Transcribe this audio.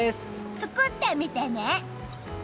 作ってみてね！